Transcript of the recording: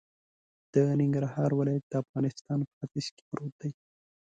د ننګرهار ولایت د افغانستان په ختیځ کی پروت دی